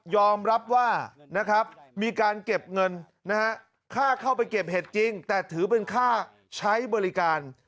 อมรับว่านะครับมีการเก็บเงินค่าเข้าไปเก็บเห็ดจริงแต่ถือเป็นค่าใช้บริการ